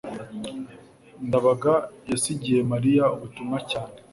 ndabaga yasigiye mariya ubutumwa cyane